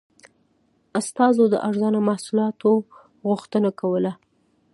استازو د ارزانه محصولاتو غوښتنه کوله.